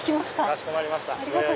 かしこまりました。